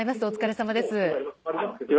お疲れさまです。